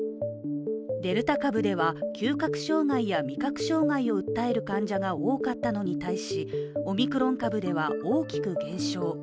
デルタ株では嗅覚障害や味覚障害を訴える患者が多かったのに対しオミクロン株では大きく減少。